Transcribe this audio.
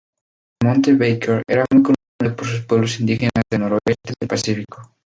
El monte Baker era muy conocido por los pueblos indígenas del noroeste del Pacífico.